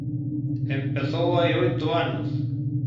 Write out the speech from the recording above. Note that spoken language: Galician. Empezou hai oito anos.